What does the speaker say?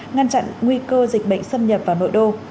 ngăn chặn nguy cơ dịch bệnh xâm nhập vào nội đô